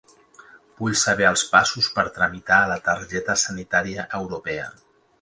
Vull saber els passos per tramitar la targeta sanitaria europea.